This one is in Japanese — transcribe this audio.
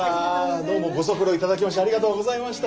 どうもご足労頂きましてありがとうございました。